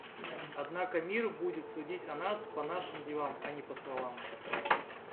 Однако мир будет судить о нас по нашим делам, а не по словам.